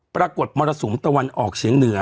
ปรากฏมรสุมตะวันออกเฉียงเหนือ